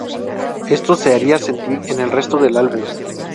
Esto se haría sentir en el resto del álbum.